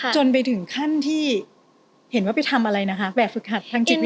จนไปถึงขั้นที่เห็นว่าไปทำอะไรนะคะแบบฝึกหัดทางจิต